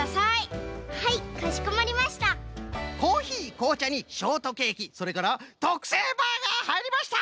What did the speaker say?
こうちゃにショートケーキそれからとくせいバーガーはいりました！